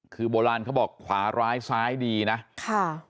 คือโบราณเขาบอกขวาร้ายซ้ายดีนะค่ะ